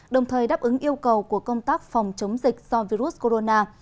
đồng thời đáp ứng yêu cầu của công tác phòng chống dịch do virus corona